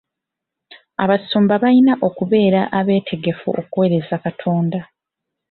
Abasumba balina okubeera abeetegefu okuweereza Katonda.